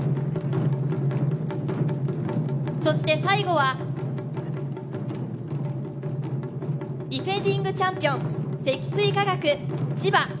そして最後はディフェンディングチャンピオン、積水化学・千葉。